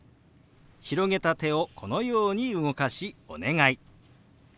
広げた手をこのように動かし「お願い」。